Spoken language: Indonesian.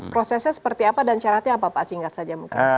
prosesnya seperti apa dan syaratnya apa pak singkat saja mungkin